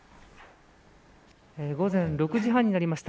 午前６時半になりました。